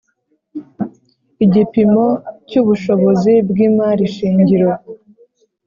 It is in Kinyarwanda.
Igipimo cy ubushobozi bw imari shingiro